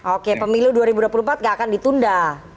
oke pemilu dua ribu dua puluh empat gak akan ditunda